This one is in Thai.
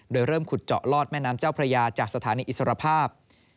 โดยเริ่มขุดเจาะลอดแม่น้ำเจ้าพระยาจากสถานีอิสรภาพ